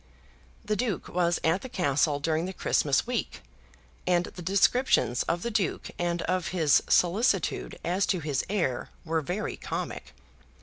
The Duke was at the Castle during the Christmas week, and the descriptions of the Duke and of his solicitude as to his heir were very comic.